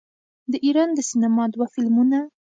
د ایران د سینما دوه فلمونه